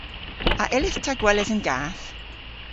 A yllydh ta gweles an gath?